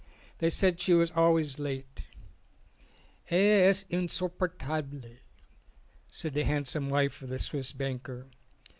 They said she was always late. "Elle est insupportable," said the handsome wife of the Swiss banker.